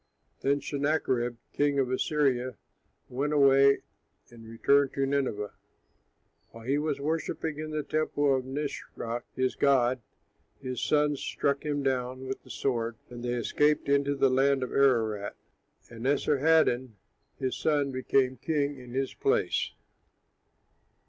Then Sennacherib, king of Assyria, went away and returned to Nineveh. While he was worshipping in the temple of Nisroch his god, his sons struck him down with the sword; and they escaped into the land of Ararat. And Esarhaddon, his son, became king in his place.